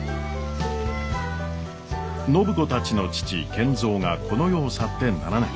暢子たちの父賢三がこの世を去って７年。